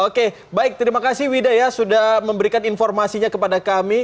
oke baik terima kasih wida ya sudah memberikan informasinya kepada kami